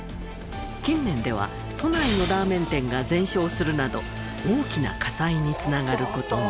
近年では都内のラーメン店が全焼するなど大きな火災に繋がる事も。